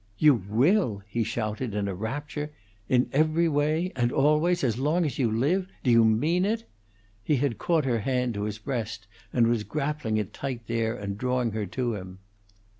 "You will?" he shouted, in a rapture. "In every way and always as long as you live? Do you mean it?" He had caught her hand to his breast and was grappling it tight there and drawing her to him.